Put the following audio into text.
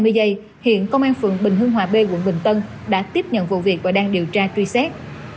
trong lúc này hiện công an phường bình hương hòa b quận bình tân đã tiếp nhận vụ việc và đang điều tra truy xét